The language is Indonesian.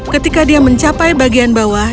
ketika dia mencapai bagian bawah